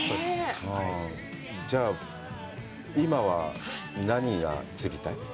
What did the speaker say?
じゃあ、今は何が釣りたい？